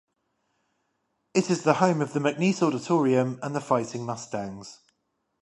It is the home of the McNeice Auditorium and the Fighting Mustangs.